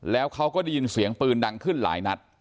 แล้วเขาก็ได้ยินเสียงปืนดังขึ้นหลายนัด